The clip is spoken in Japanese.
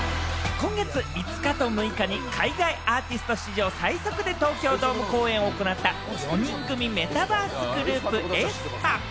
今月５日と６日に海外アーティスト史上最速で東京ドーム公演を行った４人組メタバースグループ・ａｅｓｐａ。